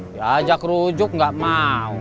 diajak rujuk gak mau